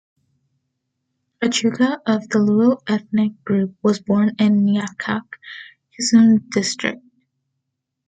Ochuka, of the Luo ethnic group, was born in Nyakach, Kisumu District.